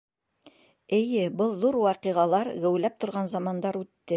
Эйе, был ҙур ваҡиғалар, геүләп торған замандар үтте.